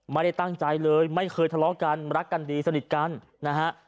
ไม่ได้ตั้งใจเลยไม่เคยทะเลาะกันรักกันดีสนิทกันนะฮะ